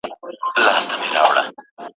که هر څو مره زخیره کړې دینارونه سره مهرونه